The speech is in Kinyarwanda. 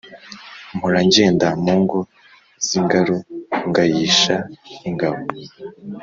Mpora ngenda mu ngo z'ingaru ngayisha ingabo